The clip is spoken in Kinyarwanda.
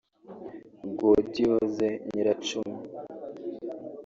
Gaudiose Nyiracumi